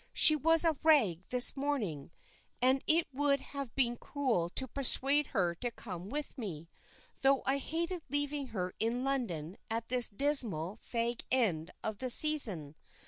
"She was a rag this morning, and it would have been cruel to persuade her to come with me, though I hated leaving her in London at this dismal fag end of the season.